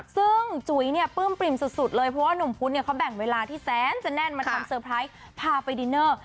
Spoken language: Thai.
ซึ่งจุ๋ยเนี่ยปลื้มปริ่มสุดเลยเพราะว่าหนุ่มพุธเนี่ยเขาแบ่งเวลาที่แสนจะแน่นมาทำเซอร์ไพรส์พาไปดินเนอร์